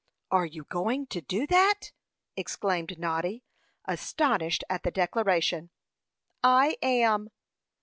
"Are you going to do that?" exclaimed Noddy, astonished at the declaration. "I am."